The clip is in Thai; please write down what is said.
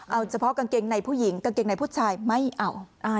เอาเฉพาะกางเกงในผู้หญิงกางเกงในผู้ชายไม่เอา